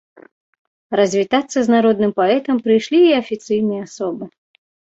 Развітацца з народным паэтам прыйшлі і афіцыйныя асобы.